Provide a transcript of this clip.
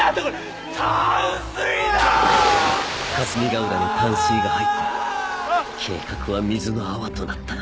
霞ヶ浦の淡水が入って計画は水の泡となった。